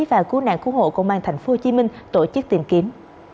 và cứu nạn cứu hộ công an tp hcm tổ chức tìm kiếm